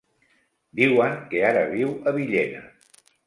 Diuen que ara viu a Villena.